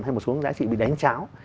hay một số những giá trị bị đánh cháo